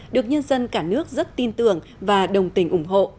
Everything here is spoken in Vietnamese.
được nhân dân cả nước rất tin tưởng và đồng tình ủng hộ